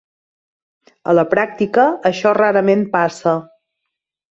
A la pràctica, això rarament passa.